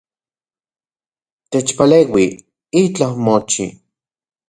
Techpaleui, itlaj omochi